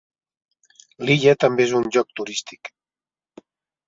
L'illa també és un lloc turístic.